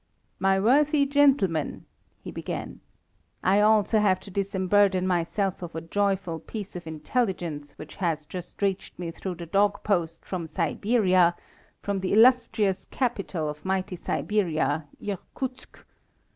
"My worthy gentlemen," he began, "I also have to disemburden myself of a joyful piece of intelligence which has just reached me through the dog post from Siberia, from the illustrious capital of mighty Siberia, Irkutsk.